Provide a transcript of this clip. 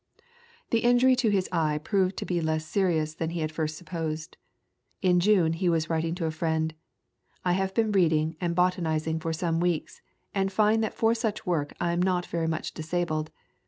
The injury to his eye proved to be less serious than he had at first supposed. In June he was writing to a friend: "I have been reading and botanizing for some weeks, and find that for such work I am not very much disabled.